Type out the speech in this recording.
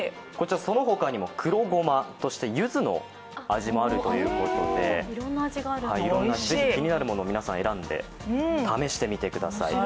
そのほかにも黒ごま、ゆずの味もあるということで、ぜひ気になるものを皆さん、選んで試してみてください。